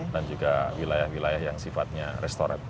dan juga wilayah wilayah yang sifatnya restoran